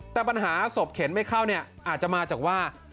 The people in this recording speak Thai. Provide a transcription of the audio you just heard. แต่ปัญหาศพเข็นไม่เข้าเนี่ยอาจจะมาจากว่า